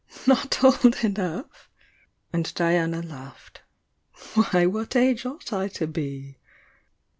"Not old enough?" and Diana laughed. "Why, what age ought I to be?"